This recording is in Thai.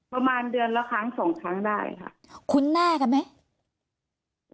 ประมาณเดือนละครั้งสองครั้งได้ค่ะคุ้นหน้ากันไหม